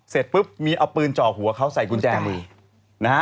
เสร็จปุ๊บมีเอาปืนเจาะหัวเขาใส่กุญแจมือนะฮะ